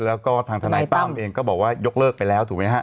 แล้วก็ทางท่านายตัมเขาก็บอกว่ายกเลิกไปแล้ว